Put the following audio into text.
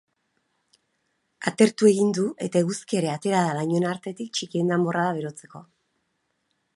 Atertu egin du eta eguzkia ere atera da lainoen artetik txikien danborrada berotzeko.